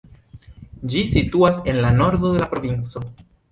Ĝi situas en la nordo de la provinco.